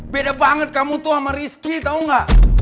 beda banget kamu tuh sama rizky tau gak